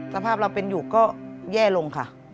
สภาพเราเป็นอยู่ก็แย่ลงค่ะ